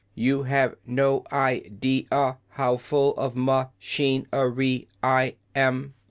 You have no i de a how full of ma chin er y I am."